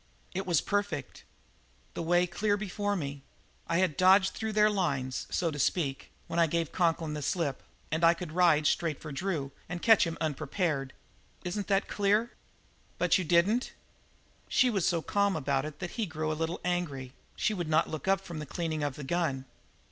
"It was perfect; the way clear before me; I had dodged through their lines, so to speak, when I gave Conklin the slip, and I could ride straight for Drew and catch him unprepared. Isn't that clear?" "But you didn't?" She was so calm about it that he grew a little angry; she would not look up from the cleaning of the gun.